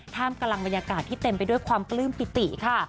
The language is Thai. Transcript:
ท่ามกำลังบรรยากาศที่เต็มไปด้วยความปลื้มปิติค่ะ